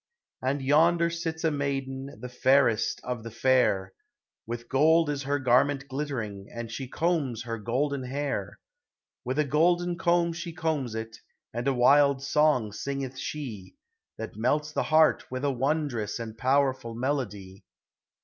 And yonder sits a maiden, The fairest of the fair ; With gold is her garment glittering, And she combs her golden hair. With a golden comb she combs it, And a wild song srngeth she, 78 POEMS OF FANCY. That melts the heart with a wondrous And powerful melody.